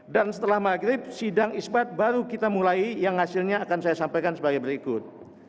dan setelah maghrib sidang isbat baru kita mulai yang hasilnya akan saya sampaikan sebagai berikut